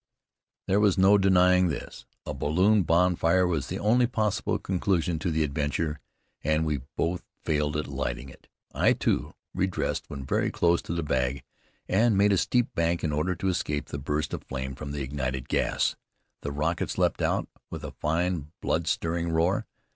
There was no denying this. A balloon bonfire was the only possible conclusion to the adventure, and we both failed at lighting it. I, too, redressed when very close to the bag, and made a steep bank in order to escape the burst of flame from the ignited gas. The rockets leaped out, with a fine, blood stirring roar.